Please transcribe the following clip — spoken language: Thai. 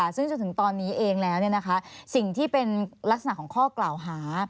สิ่งที่เป็นลักษณะของข้อกล่าวหา